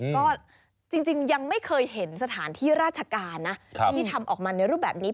ก็จริงยังไม่เคยเห็นสถานที่ราชการนะที่ทำออกมาในรูปแบบนี้